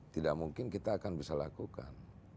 tidak mungkin kita akan bisa lakukan